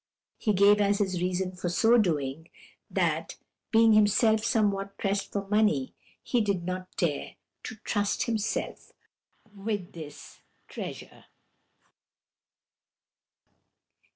He gave as his reason for so doing, that, being himself somewhat pressed for money, he did not dare to trust himself with this treasure."